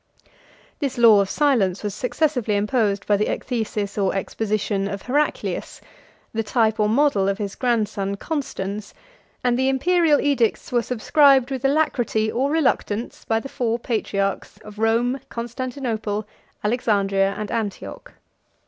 This law of silence was successively imposed by the ecthesis or exposition of Heraclius, the type or model of his grandson Constans; 103 and the Imperial edicts were subscribed with alacrity or reluctance by the four patriarchs of Rome, Constantinople, Alexandria, and Antioch.